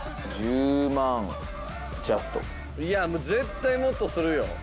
いや絶対もっとするよ。